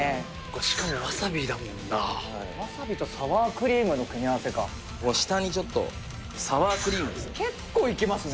しかもわさびだもんなわさびとサワークリームの組み合わせか下にちょっとサワークリームですね結構いきますね